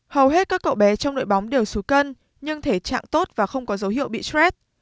hầu hết các cậu bé trong đội bóng đều xú cân nhưng thể trạng tốt và không có dấu hiệu bị stress